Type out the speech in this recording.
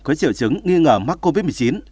có triệu chứng nghi ngờ mắc covid một mươi chín